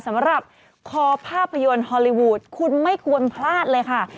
สำหรับคอภาพยนตร์ฮอลลีวูดคุณไม่ควรพลาดเลยค่ะ